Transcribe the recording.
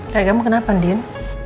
kayak kamu kenapa din